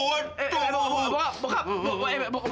eh bokap bokap